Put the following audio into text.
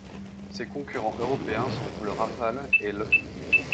Ses concurrents européens sont le Rafale et l'.